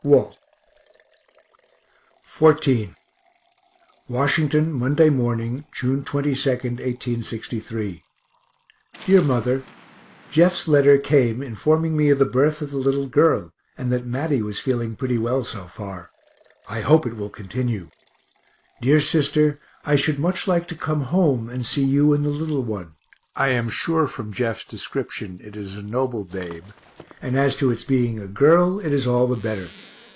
WALT. XIV Washington, Monday morning, June 22, 1863. DEAR MOTHER Jeff's letter came informing me of the birth of the little girl, and that Matty was feeling pretty well, so far. I hope it will continue. Dear sister, I should much like to come home and see you and the little one; I am sure from Jeff's description it is a noble babe and as to its being a girl, it is all the better.